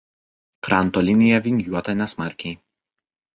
Kranto linija vingiuota nesmarkiai.